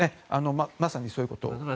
まさにそういうことです。